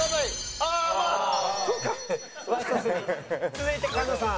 続いて狩野さん。